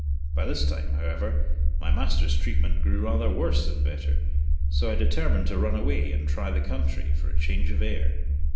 By this time, however, my master's treatment grew rather worse than better, so I determined to run away and try the country, for a change of air.